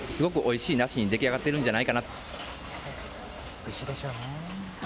おいしいでしょうね。